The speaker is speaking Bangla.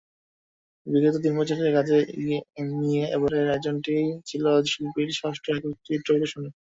বিগত তিন বছরের কাজ নিয়ে এবারের আয়োজনটি ছিল শিল্পীর ষষ্ঠ একক চিত্র প্রদর্শনী।